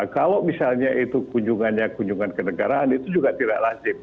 kalau misalnya itu kunjungannya kunjungan ke negaraan itu juga tidak lazim